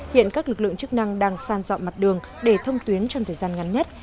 hiện các lực lượng chức năng đang san dọn mặt đường để thông tuyến trong thời gian ngắn nhất